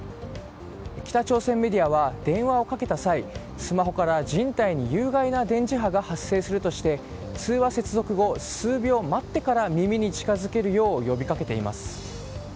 北朝鮮メディアは電話をかけた際スマホから人体に有害な電磁波が発生するとして通話接続後、数秒待ってから耳に近づけるよう呼びかけています。